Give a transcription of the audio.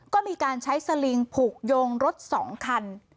ก็มีการใช้สลิงผูกโยงรถ๒คัน